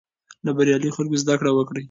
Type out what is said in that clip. له بریالیو خلکو زده کړه وکړئ.